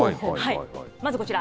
まずこちら。